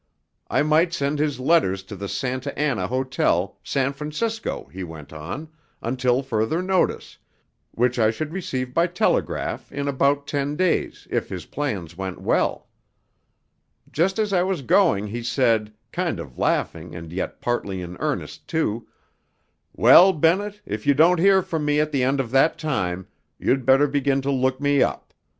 I might send his letters to the Santa Anna Hotel, San Francisco, he went on, until further notice, which I should receive by telegraph in about ten days if his plans went well. Just as I was going he said, kind of laughing and yet partly in earnest too, 'Well, Bennett, if you don't hear from me at the end of that time, you'd better begin to look me up.